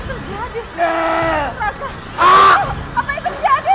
apa itu berjadi